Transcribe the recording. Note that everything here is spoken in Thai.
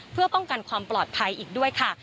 เพื่อป้องกันความปลอดภัยอีกด้วยค่ะ